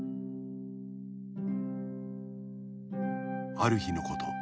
「」あるひのこと